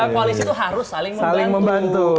koalisi itu harus saling membantu